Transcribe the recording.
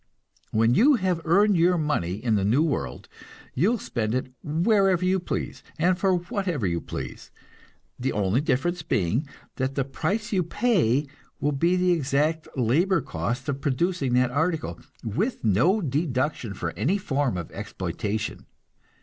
When you have earned your money in the new world, you will spend it wherever you please, and for whatever you please; the only difference being that the price you pay will be the exact labor cost of producing that article, with no deduction for any form of exploitation.